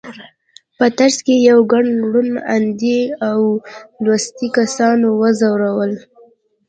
په ترڅ کې یې ګڼ روڼ اندي او لوستي کسان وځورول.